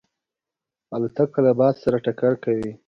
الوتکه له باد سره ټکر کوي.